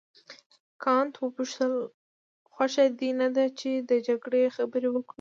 کانت وپوښتل خوښه دې نه ده چې د جګړې خبرې وکړو.